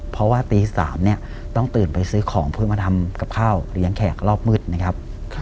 เพราะว่าตี๓เนี่ยต้องตื่นไปซื้อของเพื่อมาทำกับข้าวเลี้ยงแขกรอบมืดนะครับ